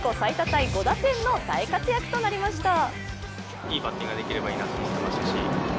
タイ５打点の大活躍となりました。